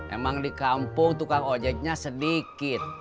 emang di kampung tukang ojeknya sedikit